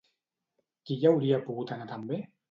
Qui hi hauria pogut anar també?